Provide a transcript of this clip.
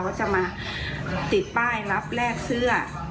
เขาจะมาติดป้ายรับแลกเสื้อ